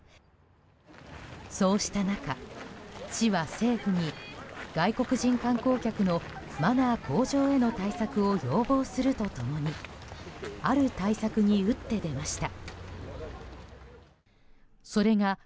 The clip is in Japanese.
そうした中、市は政府に外国人観光客のマナー向上への対策を要望すると共にある対策に打って出ました。